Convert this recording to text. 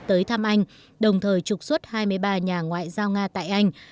tới thăm anh đồng thời trục xuất hai mươi ba nhà ngoại giao nga tại anh